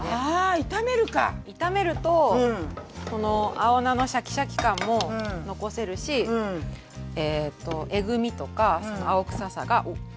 炒めるとこの青菜のシャキシャキ感も残せるしえとえぐみとか青臭さがおっ！